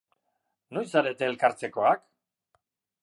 Noiz zarete elkartzekoak?